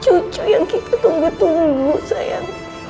cucu yang kita tunggu tunggu sayang